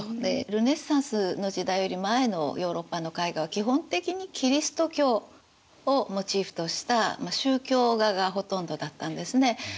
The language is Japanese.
ルネサンスの時代より前のヨーロッパの絵画は基本的にキリスト教をモチーフとした宗教画がほとんどだったんですね。